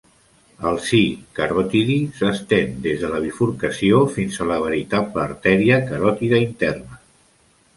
El si carotidi s'estén des de la bifurcació fins a la "veritable" artèria caròtida interna.